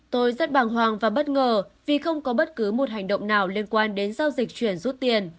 tôi rất bàng hoàng và bất ngờ vì không có bất cứ một hành động nào liên quan đến giao dịch chuyển rút tiền